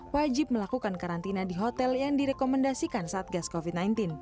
wajib melakukan karantina di hotel yang direkomendasikan saat gas covid sembilan belas